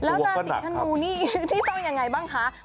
แล้วราศีธนูนี่ที่ต้องยังไงบ้างคะ